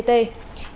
tho tự nhận